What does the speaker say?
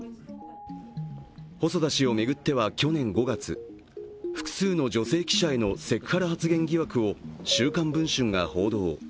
細田氏を巡っては去年５月、複数の女性記者へのセクハラ発言疑惑を「週刊文春」が報道。